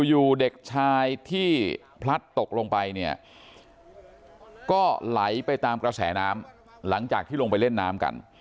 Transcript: อยู่เด็กชายที่พลัดตกลงไปเนี่ยก็ไหลไปตามกระแสน้ำหลังจากที่ลงไปเล่นน้ำกัน